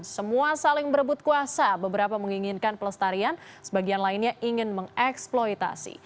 semua saling berebut kuasa beberapa menginginkan pelestarian sebagian lainnya ingin mengeksploitasi